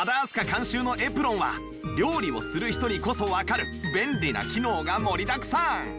監修のエプロンは料理をする人にこそわかる便利な機能が盛りだくさん！